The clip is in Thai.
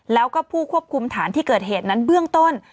แล้วก็ผู้ควบคุมฐานที่เกิดเหตุนั้นเบื้องต้น